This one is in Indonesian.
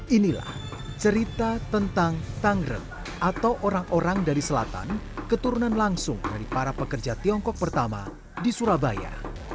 inilah cerita tentang tangrem atau orang orang dari selatan keturunan langsung dari para pekerja tiongkok pertama di surabaya